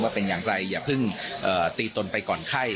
เป็นอย่างไรอย่าเพิ่งตีตนไปก่อนไข้